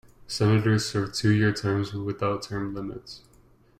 Senators serve two-year terms, without term limits.